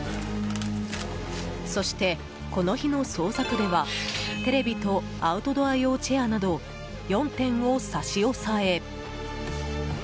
そして、この日の捜索ではテレビとアウトドア用チェアなど４点を差し押さえ。